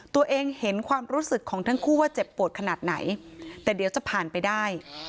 ตัวเองเห็นความรู้สึกของทั้งคู่ว่าเจ็บปวดขนาดไหนแต่เดี๋ยวจะผ่านไปได้